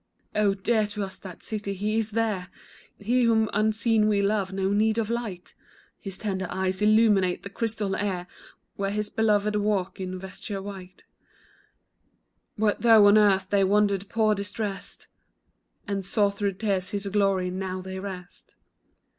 Oh, dear to us that city. He is there, He whom unseen we love; no need of light; His tender eyes illume the crystal air Where His beloved walk in vesture white, What though on earth they wandered, poor, distressed, And saw through tears His glory, now they rest.